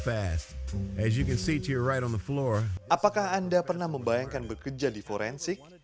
apakah anda pernah membayangkan bekerja di forensik